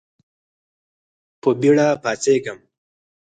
په بېړه پاڅېږم .